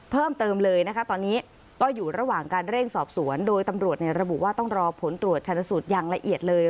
เพิ่มเติมเลยนะคะตอนนี้ก็อยู่ระหว่างการเร่งสอบสวนโดยตำรวจระบุว่าต้องรอผลตรวจชนสูตรอย่างละเอียดเลย